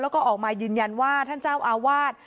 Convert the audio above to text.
แล้วก็ออกมายืนยันว่าท่านเจ้าอาวาส